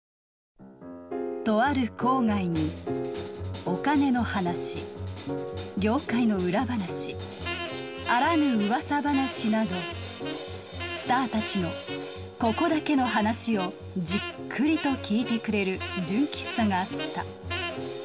とある郊外にお金の話業界の裏話あらぬ噂話などスターたちのここだけの話をじっくりと聞いてくれる純喫茶があった。